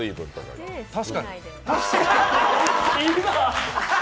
確かに。